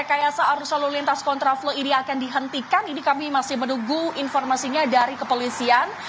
rekayasa arus lalu lintas kontraflow ini akan dihentikan ini kami masih menunggu informasinya dari kepolisian